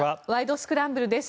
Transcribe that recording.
スクランブル」です。